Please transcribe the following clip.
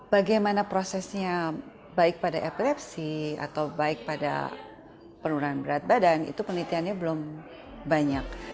bagaimana prosesnya baik pada epilepsi atau baik pada penurunan berat badan itu penelitiannya belum banyak